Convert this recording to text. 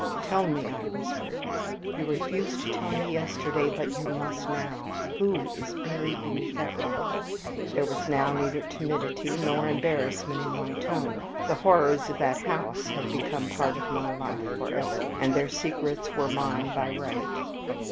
"Tell me," I whispered, "you refused to tell me yesterday, but you must now, who is buried beneath that rock?" There was now neither timidity nor embarrassment in my tone. The horrors of that house had become part of my life for ever, and their secrets were mine by right.